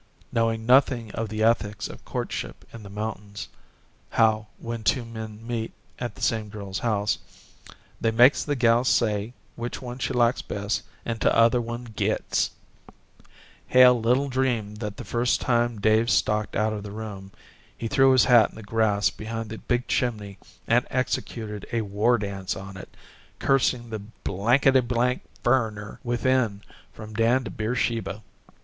Knowing nothing of the ethics of courtship in the mountains how, when two men meet at the same girl's house, "they makes the gal say which one she likes best and t'other one gits" Hale little dreamed that the first time Dave stalked out of the room, he threw his hat in the grass behind the big chimney and executed a war dance on it, cursing the blankety blank "furriner" within from Dan to Beersheba.